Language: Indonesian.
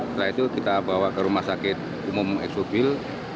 setelah itu kita bawa ke rumah sakit umum eksobil